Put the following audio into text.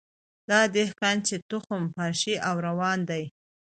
دا دهقان چي تخم پاشي او روان دی